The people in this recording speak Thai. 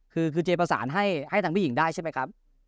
คือเจประสานให้ทางผู้หญิงได้ใช่ไหมครับ